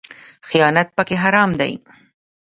خیانت پکې حرام دی